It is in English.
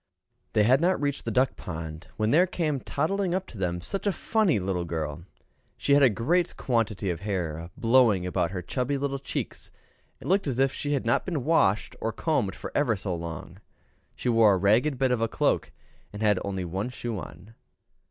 They had not reached the duck pond, when there came toddling up to them such a funny little girl. She had a great quantity of hair blowing about her chubby little cheeks, and looked as if she had not been washed or combed for ever so long. She wore a ragged bit of a cloak, and had only one shoe on.